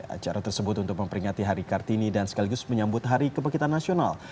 acara tersebut untuk memperingati hari kartini dan sekaligus menyambut hari kebangkitan nasional